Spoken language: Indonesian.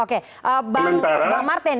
oke bang martin